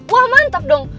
wah mantap dong